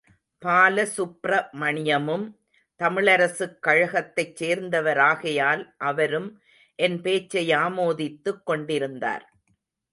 பாலசுப்ரமணியமும் தமிழரசுக் கழகத்தைச் சேர்ந்தவராகையால் அவரும் என் பேச்சை ஆமோதித்துக் கொண்டிருந்தார்.